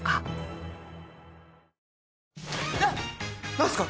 何ですか？